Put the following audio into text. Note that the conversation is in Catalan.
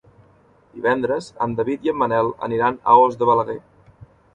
Divendres en David i en Manel aniran a Os de Balaguer.